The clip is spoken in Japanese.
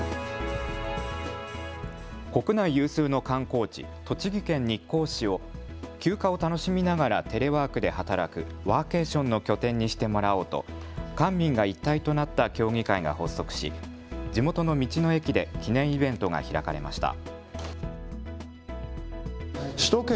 国内有数の観光地、栃木県日光市を休暇を楽しみながらテレワークで働くワーケーションの拠点にしてもらおうと官民が一体となった協議会が発足し、地元の道の駅で記念イベントが開かれました。